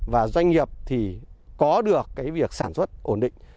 và doanh nghiệp thì có được cái việc sản xuất ổn định